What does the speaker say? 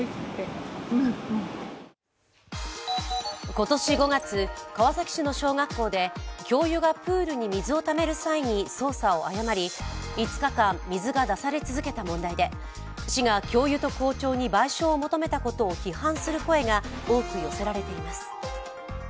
今年５月川崎市の小学校で教諭がプールに水をためる際に操作を誤り、５日間水が出され続けた問題で市が教諭と校長に賠償を求めたことを批判する声が多く寄せられています。